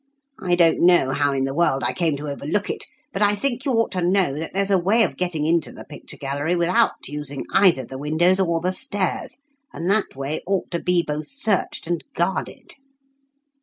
I don't know how in the world I came to overlook it, but I think you ought to know that there's a way of getting into the picture gallery without using either the windows or the stairs, and that way ought to be both searched and guarded."